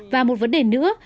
và một vấn đề nữa